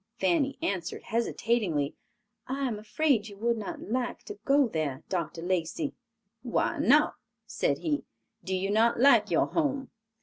Fanny answered, hesitatingly, "I am afraid you would not like to go there, Dr. Lacey." "Why not?" said he. "Do you not like your home?"